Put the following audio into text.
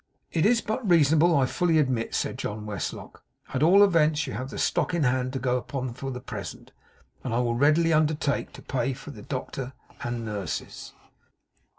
'It is but reasonable, I fully admit,' said John Westlock. 'At all events, you have the stock in hand to go upon for the present; and I will readily undertake to pay the doctor and the nurses.